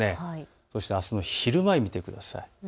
そしてあすの昼前を見てください。